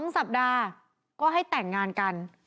สัปดาห์ก็ให้แต่งงานกัน